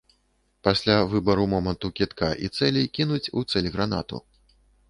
Пасля выбару моманту кідка і цэлі кінуць у цэль гранату.